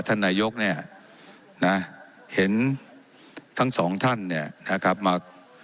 ท่านนายกเนี่ยนะเห็นทั้งสองท่านเนี่ยนะครับมา